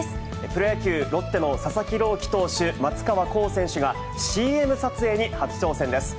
プロ野球・ロッテの佐々木朗希投手、松川虎生選手が、ＣＭ撮影に初挑戦です。